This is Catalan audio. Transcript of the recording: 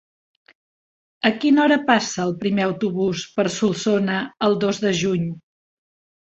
A quina hora passa el primer autobús per Solsona el dos de juny?